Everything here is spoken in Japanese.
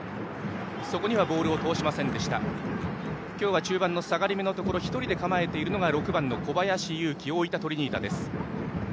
今日は中盤下がりめのところ１人で構えているのが６番、小林裕紀大分トリニータです。